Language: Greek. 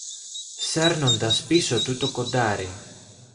σέρνοντας πίσω του το κοντάρι.